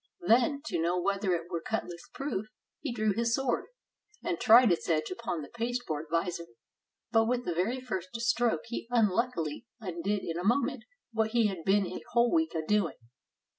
Then, to know whether it were cutlass proof, he drew his sword, and tried its edge upon the pasteboard visor; but with the very first stroke he unluckily undid in a moment what he had been a whole week a doing.